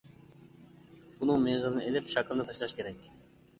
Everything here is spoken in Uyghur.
بۇنىڭ مېغىزىنى ئىلىپ، شاكىلىنى تاشلاش كېرەك.